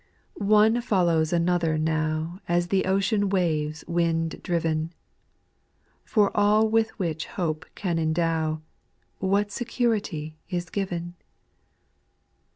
3. One follows another now As the ocean waves wind driven ; For all with which hope can endow, What security is given